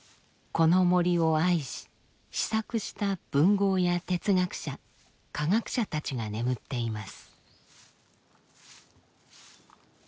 この森を愛し思索した文豪や哲学者科学者たちが眠っています。